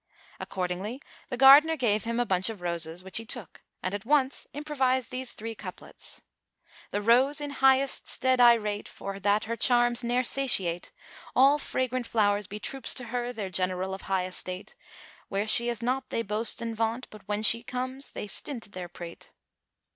Accordingly the gardener gave him a bunch of roses[FN#414] which he took and at once improvised these three couplets, "The Rose in highest stead I rate * For that her charms ne'er satiate; All fragrant flow'rs be troops to her * Their general of high estate: Where she is not they boast and vaunt; * But, when she comes, they stint their prate."